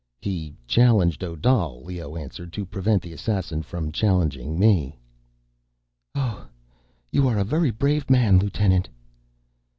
"He challenged Odal," Leoh answered, "to prevent the assassin from challenging me." "Oh—You are a very brave man, lieutenant."